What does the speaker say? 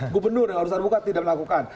gubernur yang harus terbuka tidak melakukan